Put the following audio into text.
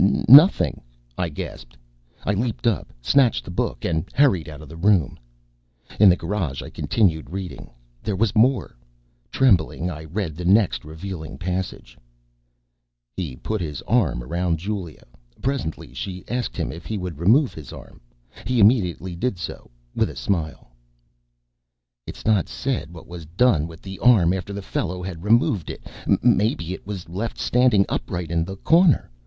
"Nothing," I gasped. I leaped up, snatched the book, and hurried out of the room. In the garage, I continued reading. There was more. Trembling, I read the next revealing passage: _... he put his arm around Julia. Presently she asked him if he would remove his arm. He immediately did so, with a smile._ It's not said what was done with the arm after the fellow had removed it. Maybe it was left standing upright in the corner.